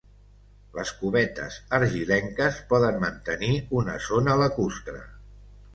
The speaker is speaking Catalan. Les cubetes argilenques poden mantenir una zona lacustre.